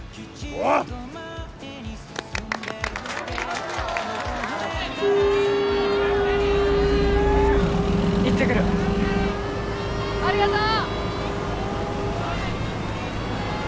ありがとう！